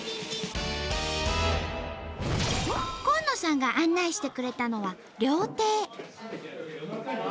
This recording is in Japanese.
公野さんが案内してくれたのは料亭。